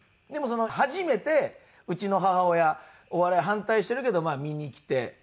でも初めてうちの母親お笑い反対してるけど見に来て。